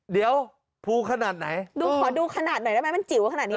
เดี๋ยวภูขนาดไหนดูขอดูขนาดหน่อยได้ไหมมันจิ๋วขนาดนี้